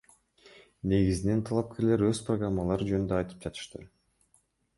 Негизинен талапкерлер өз программалары жөнүндө айтып жатышты.